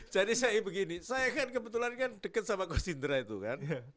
jadi saya begini saya kan kebetulan kan deket sama coach indra itu kan